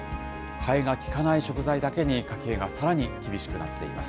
替えが効かない食材だけに、家計がさらに厳しくなっています。